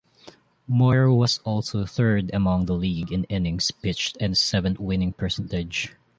Moyer was also third among the league in innings pitched and seventh winning percentage.